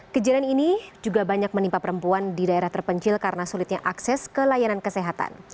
kejadian ini juga banyak menimpa perempuan di daerah terpencil karena sulitnya akses ke layanan kesehatan